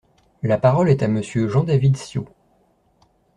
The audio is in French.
La parole est à Monsieur Jean-David Ciot.